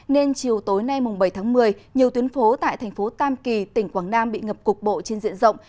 nên chiều tối nay bảy một mươi nhiều tuyến phố tại tp tam kỳ tỉnh quảng nam bị ngập cục bộ trên diện rộng